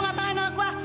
gak tau anak gue